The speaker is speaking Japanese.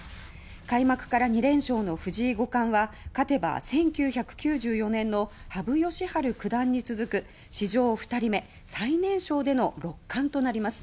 開幕から２連勝の藤井五冠は勝てば１９９４年の羽生善治九段に続く史上２人目最年少での六冠となります。